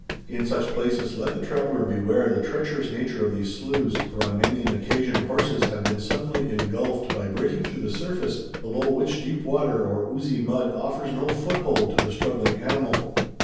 In such places let the traveller beware the treacherous nature of these sloughs, for on many an occasion horses have been suddenly engulfed by breaking through the surface, below which deep water or oozy mud offers no foothold to the struggling animal.